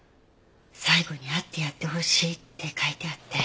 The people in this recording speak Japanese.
「最後に会ってやってほしい」って書いてあって。